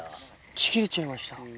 ちぎれちゃいました。